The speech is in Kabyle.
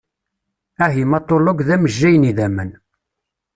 Ahimatulog d amejjay n idammen.